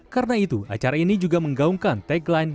karena itu acara ini juga menggaungkan tagline